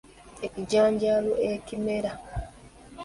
Ekijanjaalo ekimera.